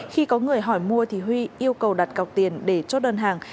khi có người hỏi mua thì huy yêu cầu đặt cọc tiền để chốt đơn hàng